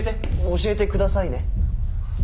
教えてください。